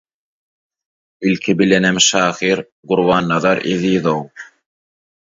Ilki bilenem şahyr Gurbannazar Ezizow.